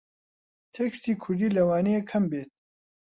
تێکستی کووردی لەوانەیە کەم بێت